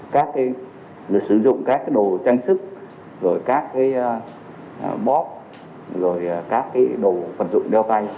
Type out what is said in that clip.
các người sử dụng các đồ trang sức các bóp các đồ phận dụng đeo tay